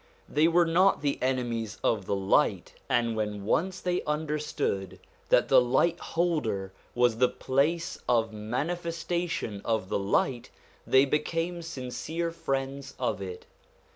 They were not the enemies of the light, and when once SOME CHRISTIAN SUBJECTS 147 they understood that the light holder was the place of manifestation of the light, they became sincere friends of it.